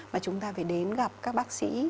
mà chúng ta phải đến gặp các bác sĩ